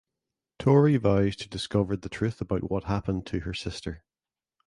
Tory vows to discover the truth about what happened to her sister.